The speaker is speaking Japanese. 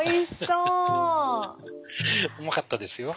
うまかったですよ。